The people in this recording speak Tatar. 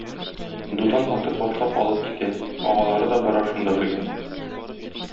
Дутан батыр башлап алып китә, агалары да бара шунда бергә.